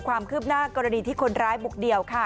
ความคืบหน้ากรณีที่คนร้ายบุกเดี่ยวค่ะ